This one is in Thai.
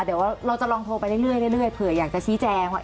เดี๋ยวเราจะลองโทรไปเรื่อยเผื่ออยากจะชี้แจงว่า